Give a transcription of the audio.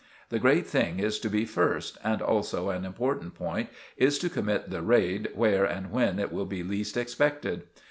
The great thing is to be first, and also an important point is to commit the raid where and when it will be least expected.